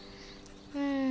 うん。